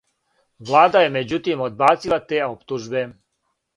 Влада је међутим одбацила те оптужбе.